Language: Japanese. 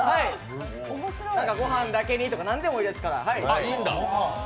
ごはんだけにとか、何でもいいですから。